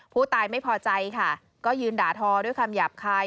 ผู้ตายไม่พอใจค่ะก็ยืนด่าทอด้วยคำหยาบคาย